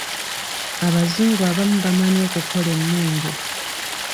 Abazungu abamu bamanyi okukola emmundu.